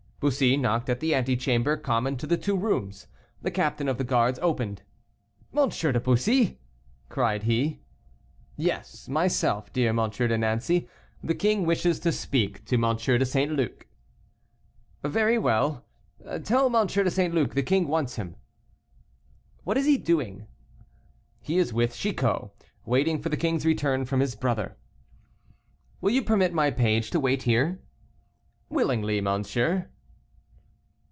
Bussy knocked at the antechamber common to the two rooms. The captain of the guards opened. "M. de Bussy!" cried he. "Yes, myself, dear M. de Nancey; the king wishes to speak to M. de St. Luc." "Very well, tell M. de St. Luc the king wants him." "What is he doing?" "He is with Chicot, waiting for the king's return from his brother." "Will you permit my page to wait here?" "Willingly, monsieur."